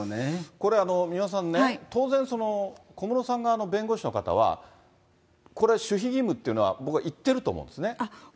これ、三輪さん、当然、小室さん側の弁護士の方は、これ、守秘義務っていうのは僕は言ってると思うんですね。